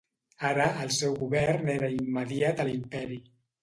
Ara, el seu govern era immediat a l'Imperi.